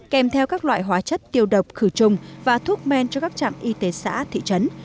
kèm theo các loại hóa chất tiêu độc khử trùng và thuốc men cho các trạm y tế xã thị trấn